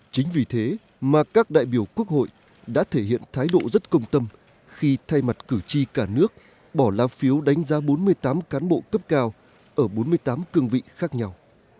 chính vì thế mà các đại biểu quốc hội đã thể hiện thái độ rất công tâm khi thay mặt cử tri cả nước bỏ la phiếu đánh giá bốn mươi tám cán bộ cấp cao ở bốn mươi tám cương vị khác nhau